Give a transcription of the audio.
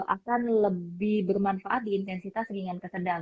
akan lebih bermanfaat di intensitas ringan kesedang